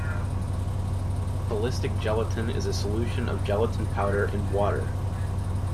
Ballistic gelatin is a solution of gelatin powder in water.